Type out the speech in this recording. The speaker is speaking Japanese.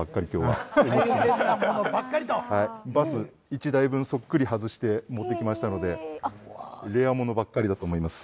バス１台分そっくり外して持ってきましたのでレアものばっかりだと思います。